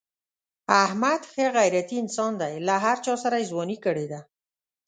احمد ښه غیرتی انسان دی. له هر چاسره یې ځواني کړې ده.